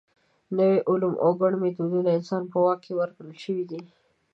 نوي علوم او ګڼ میتودونه د انسانانو په واک کې ورکړل شوي دي.